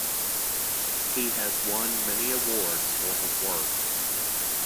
He has won many awards for his work.